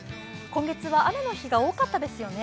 今月は雨の日が多かったですよね。